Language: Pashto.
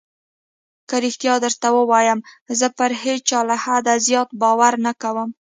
که رښتيا درته ووايم زه پر هېچا له حده زيات باور نه کوم.